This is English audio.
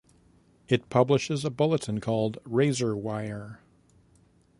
It publishes a bulletin called "Razor Wire".